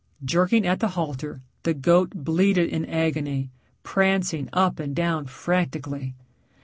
Jerking at the halter the goat bleated in agony, prancing up and down frantically.